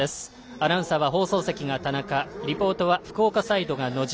アナウンサーは放送席が田中リポートは福岡サイドが野地。